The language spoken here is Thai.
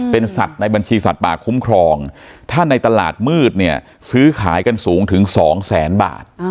เป็นสัตว์ในบัญชีสัตว์ป่าคุ้มครองถ้าในตลาดมืดเนี่ยซื้อขายกันสูงถึงสองแสนบาท